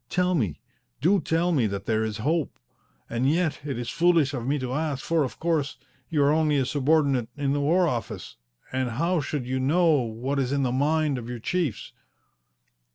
Tell me! Do tell me that there is hope! And yet it is foolish of me to ask, for, of course, you are only a subordinate at the War Office, and how should you know what is in the mind of your chiefs?"